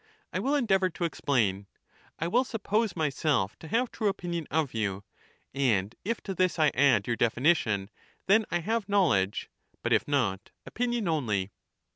I will endeavour to explain : I will suppose myself to 209 have true opinion of you, and if to this I add your definition, then I have knowledge, but if not, opinion only.